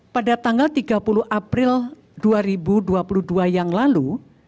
pada tanggal tiga puluh april dua ribu dua puluh dua yang lalu